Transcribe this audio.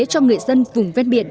cho người dân vùng ven biển